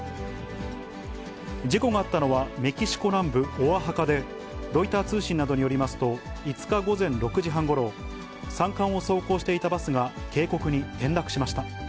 事故があったのは、メキシコ南部オアハカで、ロイター通信などによりますと、５日午前６時半ごろ、山間を走行していたバスが渓谷に転落しました。